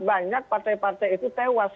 banyak partai partai itu tewas